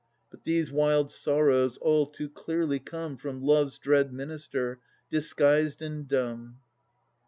But these wild sorrows all too clearly come From Love's dread minister, disguised and dumb.